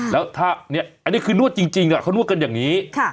แล้วถ้าเนี่ยอันนี้คือนวดจริงจริงน่ะเขานวดกันอย่างนี้ค่ะ